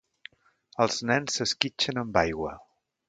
Els nens s'esquitxen amb aigua.